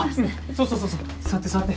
そうそうそうそう座って座って。